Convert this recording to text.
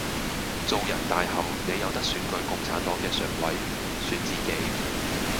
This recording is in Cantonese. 做人大後你有得選舉共產黨既常委，選自己